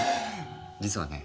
実はね